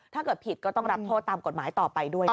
ถ้าเกิดผิดก็ต้องรับโทษตามกฎหมายต่อไปด้วยนะคะ